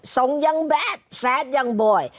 สงอยังแบดแซดอย่างบ่อย